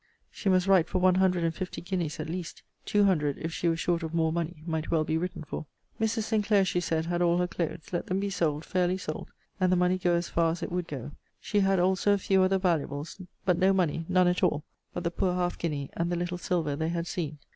She must write for one hundred and fifty guineas, at least: two hundred, if she were short of more money, might well be written for. Mrs. Sinclair, she said, had all her clothes. Let them be sold, fairly sold, and the money go as far as it would go. She had also a few other valuables; but no money, (none at all,) but the poor half guinea, and the little silver they had seen.